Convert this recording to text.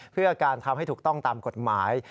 เพื่อการทำให้ถูกต้องตามกฎหมาย